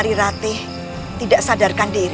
kamu lihat bulan itu